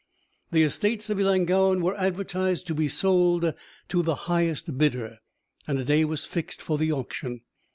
The estates of Ellangowan were advertised to be sold to the highest bidder, and a day was fixed for the auction.